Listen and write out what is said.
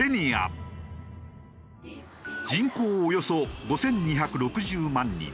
人口およそ５２６０万人。